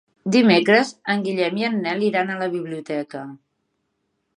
Dimecres en Guillem i en Nel iran a la biblioteca.